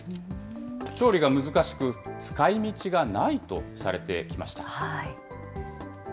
調理が難しく、使いみちがないとされてきました。